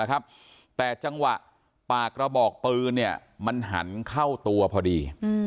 แต่จังหวะปากกระบอกปืนมันหันเข้าตัวพอดี